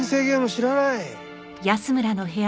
知らない？